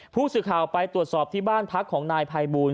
ผู้สื่อข่าวไปตรวจสอบที่บ้านพักของนายภัยบูล